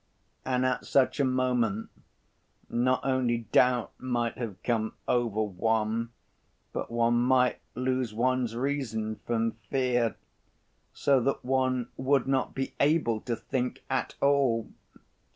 And at such a moment not only doubt might come over one but one might lose one's reason from fear, so that one would not be able to think at all.